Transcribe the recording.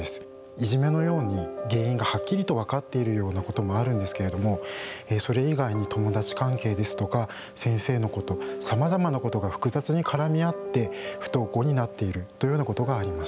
いじめのように原因がはっきりとわかっているようなこともあるんですけれどもそれ以外に友達関係ですとか先生のことさまざまのことが複雑に絡み合って不登校になっているというようなことがあります。